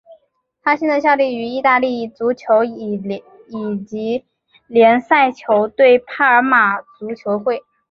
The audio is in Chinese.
他现在效力于意大利足球乙级联赛球队帕尔马足球会。